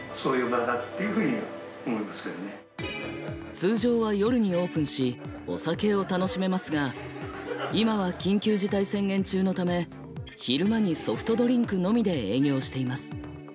通常は夜にオープンしお酒を楽しめますが今は緊急事態宣言中のため昼間にソフトドリンクのみで営業しています。